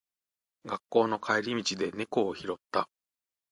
学校の帰り道で猫を拾った。